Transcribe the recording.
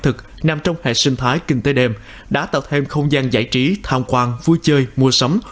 thực nằm trong hệ sinh thái kinh tế đêm đã tạo thêm không gian giải trí tham quan vui chơi mua sắm